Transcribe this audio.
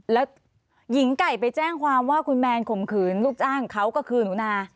แล้วหญิงไก่ไปแจ้งความว่าคุณแมนข่มขืนลูกจ้างเขาก็คือหนูนา